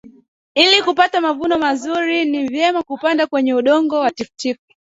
ili kupata mavuno mazuri ni vyema kupanda kwenye udongo wa tifutifu